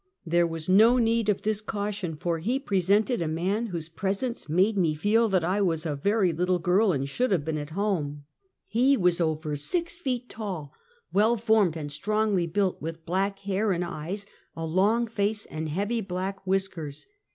There was no need of this caution, for he presented a man whose presence made me feel that I was a very little girl and should have been at home. He was 40 Half a Centuet. over six feet tall, well formed and strongly built, with black hair and eyes, a long face, and heavy black whiskers.